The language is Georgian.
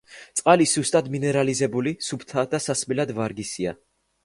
წყალი სუსტად მინერალიზებული, სუფთა და სასმელად ვარგისია.